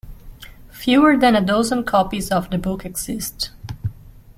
Fewer than a dozen copies of the book exist.